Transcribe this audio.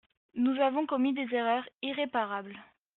Nous avons commis des erreurs irréparables.